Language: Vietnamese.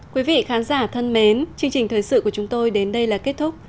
quý vị khán giả thân mến chương trình thời sự của chúng tôi đến đây là kết thúc